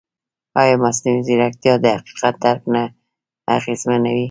ایا مصنوعي ځیرکتیا د حقیقت درک نه اغېزمنوي؟